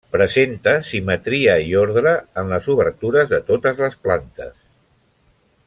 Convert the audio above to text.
Presenta simetria i ordre en les obertures de totes les plantes.